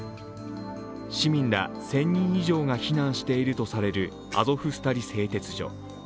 市民ら１０００人以上が避難しているとされるアゾフスタリ製鉄所。